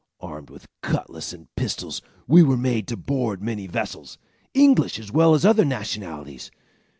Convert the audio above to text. Armed with cutlasses and pistols, we were made to board many vessels, English as well as other nationalities.